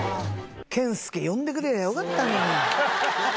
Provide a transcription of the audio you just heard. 健介呼んでくれればよかったのに。